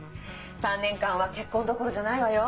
３年間は結婚どころじゃないわよ。